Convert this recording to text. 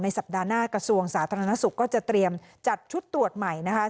สัปดาห์หน้ากระทรวงสาธารณสุขก็จะเตรียมจัดชุดตรวจใหม่นะคะ